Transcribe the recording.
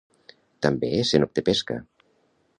També se n'obté pesca.